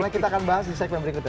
kita akan bahas di segmen berikutnya